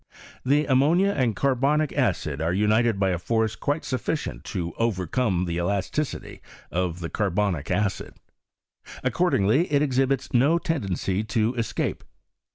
The am monia and carbonic acid are united by a force quite sufficient to overcome the elasticity of the carbonic acid. Accordingly, it exhibits no tendency to escape.